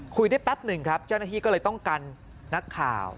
ได้แป๊บหนึ่งครับเจ้าหน้าที่ก็เลยต้องกันนักข่าว